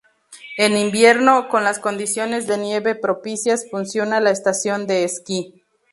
En invierno, con las condiciones de nieve propicias, funciona la estación de esquí.